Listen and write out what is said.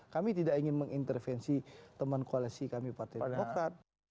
kami tidak ingin mengintervensi teman koalisi kami partai demokrat